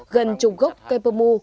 gần trùng gốc cây bơ mu